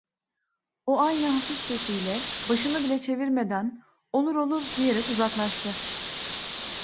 O aynı hafif sesiyle, başını bile çevirmeden "Olur, olur!" diyerek uzaklaştı.